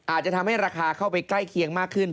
อาจจะทำให้ราคาเข้าไปใกล้เคียงมากขึ้น